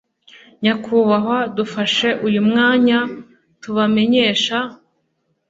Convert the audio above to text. nyakubahwa dufashe uyu mwanya tubamenyesha